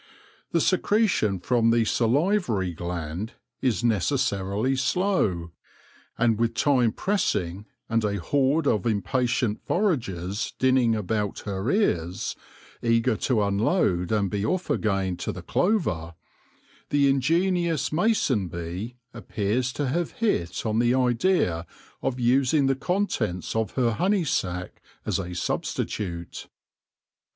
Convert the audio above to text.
The secretion from the salivary gland, is necessarily slow, and with time pressing and a horde of impatient foragers dinning about her ears, eager to unload and be oif again to the clover, the ingenious mason bee appears to have hit on the idea of using the contents of her honey sac as a substitute.